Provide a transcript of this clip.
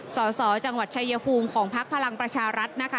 สสจังหวัดชายภูมิของพักพลังประชารัฐนะคะ